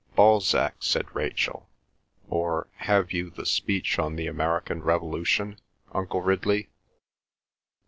"Balzac," said Rachel, "or have you the Speech on the American Revolution, Uncle Ridley?"